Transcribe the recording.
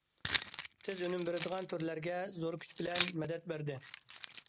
تېز ئۈنۈم بېرىدىغان تۈرلەرگە زور كۈچ بىلەن مەدەت بەردى.